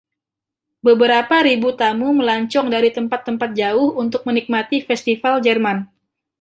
Beberapa ribu tamu melancong dari tempat-tempat jauh untuk menikmati festival Jerman.